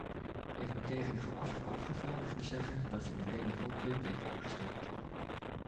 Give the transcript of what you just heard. Ik moet tegen de geachte afgevaardigde zeggen dat ze een relevant punt heeft aangestipt.